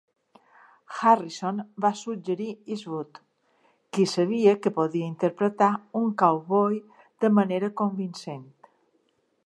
Harrison va suggerir Eastwood, qui sabia que podia interpretar un cowboy de manera convincent.